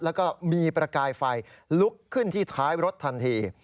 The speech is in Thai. แล้วก็มีประกายไฟลุกขึ้นที่ท้ายรถทันที